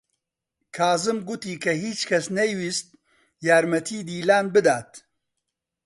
کازم گوتی کە هیچ کەس نەیویست یارمەتیی دیلان بدات.